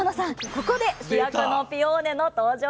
ここで主役のピオーネの登場です！